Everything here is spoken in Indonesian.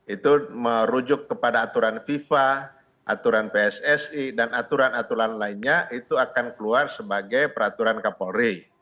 itu merujuk kepada aturan fifa aturan pssi dan aturan aturan lainnya itu akan keluar sebagai peraturan kapolri